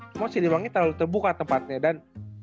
cuma siliwangi terlalu terbuka tempatnya dan